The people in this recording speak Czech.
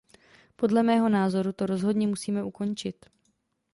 Podle mého názoru to rozhodně musíme ukončit.